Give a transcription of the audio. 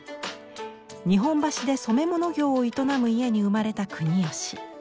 日本橋で染め物業を営む家に生まれた国芳。